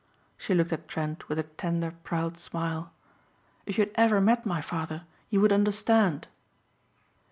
She looked at Trent with a tender, proud smile, "If you had ever met my father you would understand."